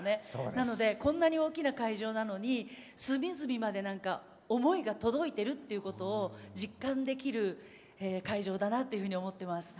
なのでこんなに大きな会場なのに隅々まで思いが届いてるっていうことを実感できる会場だなというふうに思ってます。